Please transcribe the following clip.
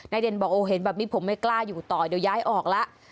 เด่นบอกโอ้เห็นแบบนี้ผมไม่กล้าอยู่ต่อเดี๋ยวย้ายออกแล้ว